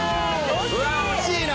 うわ惜しいな。